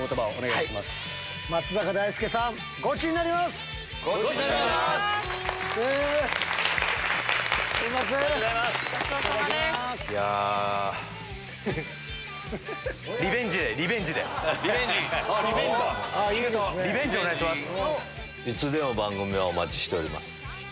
いつでも番組はお待ちしております。